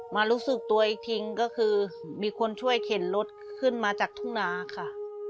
รู้สึกตัวอีกทีก็คือมีคนช่วยเข็นรถขึ้นมาจากทุ่งนาค่ะ